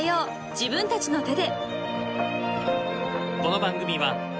自分たちの手で］